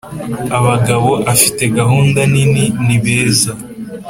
abagabo afite gahunda nini ni beza,